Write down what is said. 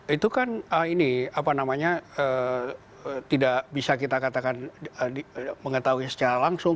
itu kan ini apa namanya tidak bisa kita katakan mengetahui secara langsung